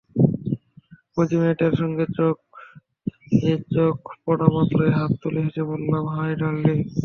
Aussie মেয়েটার সঙ্গে চোখে চোখ পড়ামাত্র হাত তুলে হেসে বললাম, হাই ডার্লিং।